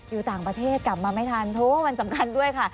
อยู่ต่างประเทศกลับมาไม่ทันเพราะว่ามันสำคัญด้วยค่ะ